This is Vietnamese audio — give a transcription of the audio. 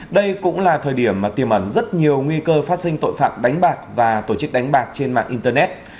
đây cũng là thời điểm mà tiềm ẩn rất nhiều nguy cơ phát sinh tội phạm đánh bạc và tổ chức đánh bạc trên mạng internet